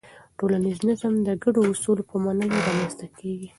ټولنیز نظم د ګډو اصولو په منلو رامنځته کېږي.